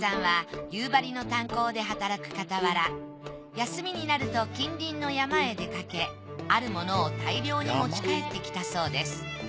休みになると近隣の山へ出かけあるものを大量に持ち帰ってきたそうです。